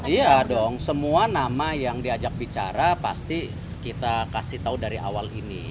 iya dong semua nama yang diajak bicara pasti kita kasih tahu dari awal ini